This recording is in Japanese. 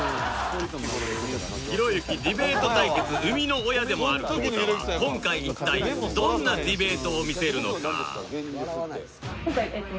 ひろゆきディベート対決生みの親でもある久保田は今回一体どんなディベートを見せるのか？